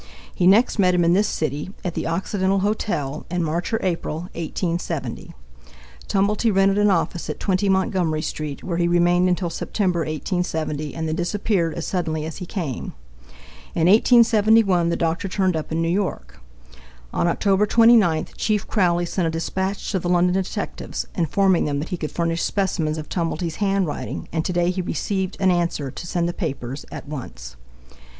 He next met him in this city, at the Occidental Hotel, in March or April, 1870. Tumblety rented an office at 20 Montgomery street, where he remained until September, 1870, and then disappeared as suddenly as he came. In 1871 the doctor turned up in New York. On Oct. 29 Chief Crowley sent a dispatch to the London detectives, informing them that he could furnish specimens of Tumblety's handwriting, and to day he recieved an answer to send the papers at once.